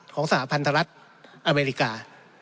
ของสหพันธ์สหรัฐอเมริกา